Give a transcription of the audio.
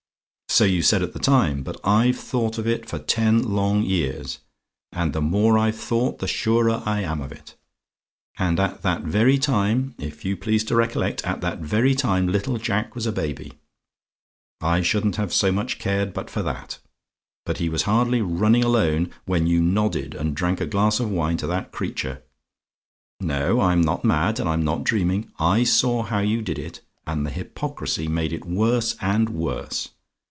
"So you said at the time, but I've thought of it for ten long years, and the more I've thought the surer I am of it. And at that very time if you please to recollect at that very time little Jack was a baby. I shouldn't have so much cared but for that; but he was hardly running alone, when you nodded and drank a glass of wine to that creature. No; I'm not mad, and I'm not dreaming. I saw how you did it, and the hypocrisy made it worse and worse.